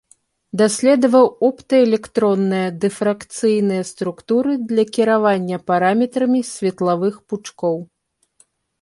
Даследаваў оптаэлектронныя дыфракцыйныя структуры для кіравання параметрамі светлавых пучкоў.